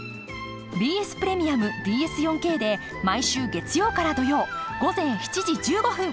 ＢＳプレミアムＢＳ４Ｋで毎週月曜から土曜午前７時１５分放送です！